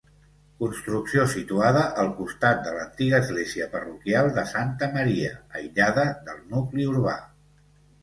Construcció situada al costat de l'antiga església parroquial de Santa Maria, aïllada del nucli urbà.